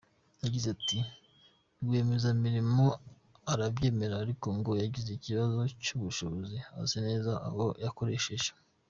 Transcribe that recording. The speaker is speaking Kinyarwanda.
Yagize ati: “ Rwiyemezamirimo arabyemera ariko ngo yagize ikibazo cy’ubushobozi, azi neza abo yakoresheje.